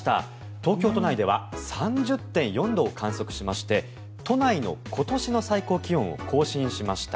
東京都内では３０．４度を観測しまして都内の今年の最高気温を更新しました。